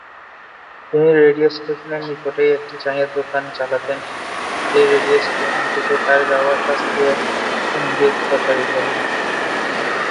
তিনি রেডিও স্টেশনের নিকটেই একটি চায়ের দোকান চালাতেন, যে রেডিও স্টেশন থেকে তার গাওয়া শাস্ত্রীয় সংগীত প্রচারিত হত।